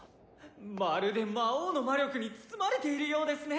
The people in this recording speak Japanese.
まるで魔王の魔力に包まれているようですね！